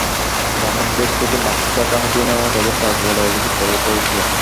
গ্রাহকদের থেকে বাড়তি টাকা হাতিয়ে নেওয়া তাঁদের কাজ বলে অভিযোগ রয়েছে।